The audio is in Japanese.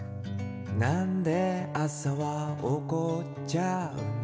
「なんで朝はおこっちゃうの？」